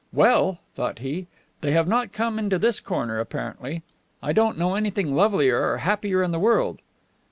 "Well," thought he, "they have not come into this corner, apparently. I don't know anything lovelier or happier in the world."